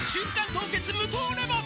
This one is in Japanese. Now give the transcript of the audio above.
凍結無糖レモン」